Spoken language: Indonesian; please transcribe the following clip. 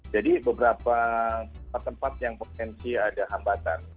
jadi beberapa tempat yang potensi ada hambatan